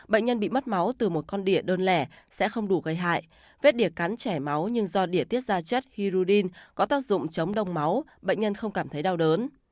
bệnh nhân bị mất máu từ một con đỉa đơn lẻ sẽ không đủ gây hại vết đỉa cắn chảy máu nhưng do đỉa tiết ra chất hirudin có tác dụng chống đông máu bệnh nhân không cảm thấy đau đớn